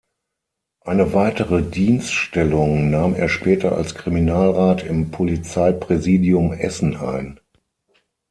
Eine weitere Dienststellung nahm er später als Kriminalrat im Polizeipräsidium Essen ein.